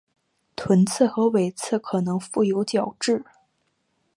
臀刺与尾刺可能覆有角质。